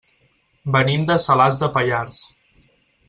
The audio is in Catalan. Venim de Salàs de Pallars.